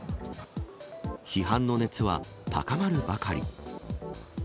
批判の熱は高まるばかり。